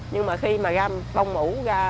nhưng mà khi mà ra bông mủ